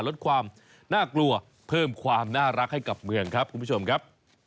ลดความน่ากลัวเพิ่มความน่ารักให้กับเมืองครับคุณผู้ชมครับ